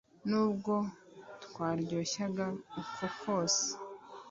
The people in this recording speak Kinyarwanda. nubwo twaryoshyaga uko kose